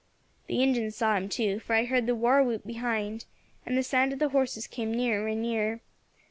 "The Injins saw him too, for I heard the war whoop behind, and the sound of the horses came nearer and nearer.